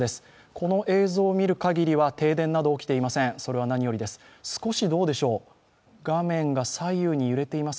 この映像を見るかぎりは停電など起きていません、それは何よりです。